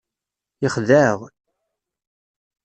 Yexdeɛ-aɣ.